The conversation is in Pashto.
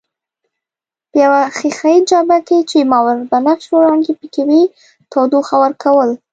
په یوې ښیښه یي جابه کې چې ماورابنفش وړانګې پکښې وې تودوخه ورکول.